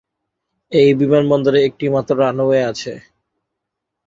এই বিমানবন্দরে একটি মাত্র রানওয়ে আছে।